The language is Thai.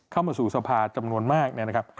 เข้ามาสู่สภาพจำนวนมาก